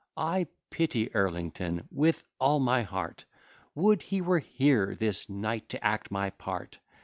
I pity Elrington with all my heart; Would he were here this night to act my part!